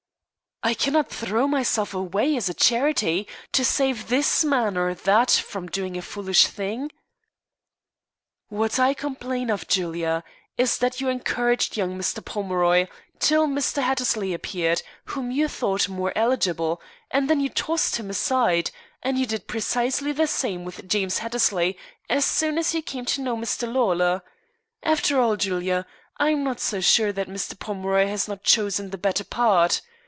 "I cannot throw myself away as a charity to save this man or that from doing a foolish thing." "What I complain of, Julia, is that you encouraged young Mr. Pomeroy till Mr. Hattersley appeared, whom you thought more eligible, and then you tossed him aside; and you did precisely the same with James Hattersley as soon as you came to know Mr. Lawlor. After all, Julia, I am not so sure that Mr. Pomeroy has not chosen the better part.